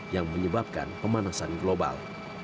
yang menyebabkan pemanasan global